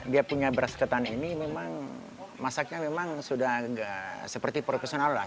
dia punya beras ketan ini memang masaknya memang sudah agak seperti profesional lah